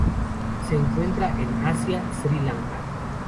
Se encuentran en Asia: Sri Lanka.